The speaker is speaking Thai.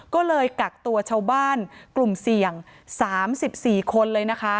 ก็เลยกักตัวชาวบ้านกลุ่มเสี่ยง๓๔คนเลยนะคะ